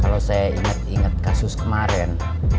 kalau saya inget inget kasus kemarin